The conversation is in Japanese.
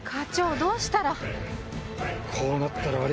どうしたら？